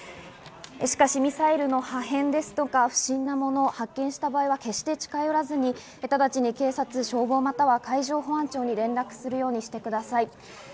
しかしミサイルの破片ですとか、不審なものを発見した場合は決して近寄らずに直ちに警察、消防、または海上保安庁に連絡するようにしてください。